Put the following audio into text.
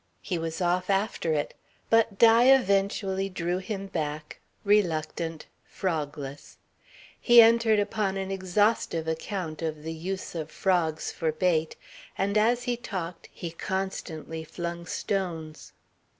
He was off after it. But Di eventually drew him back, reluctant, frogless. He entered upon an exhaustive account of the use of frogs for bait, and as he talked he constantly flung stones.